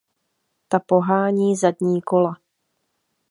Ta pohání zadní kola.